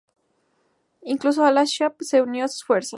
Incluso al-Ashqar se unió a sus fuerzas.